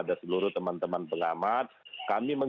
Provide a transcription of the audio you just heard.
dpr kemudian menggunakan